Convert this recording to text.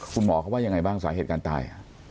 คุณหมอเขาว่ายังไงบ้างสาเหตุการณ์ตาย